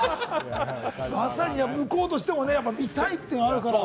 向こうとしてもね、見たいというのがあるから。